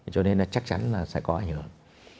cho nên là chắc chắn là sẽ có ảnh hưởng